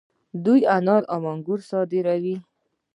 دوی انار او انګور صادروي.